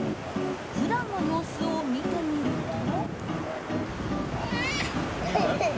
普段の様子を見てみると。